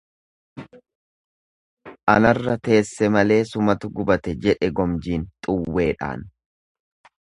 Anarra teesse malee sumatu gubate jedhe gomjiin xuwweedhaan.